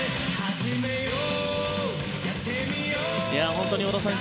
本当に織田さん